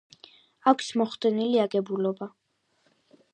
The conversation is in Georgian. აქვს მოხდენილი აგებულება.